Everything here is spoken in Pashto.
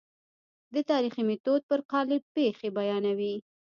د تاریخي میتود پر قالب پېښې بیانوي.